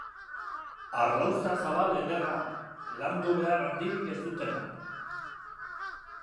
Harlauza zabal ederrak, landu behar handirik ez dutenak.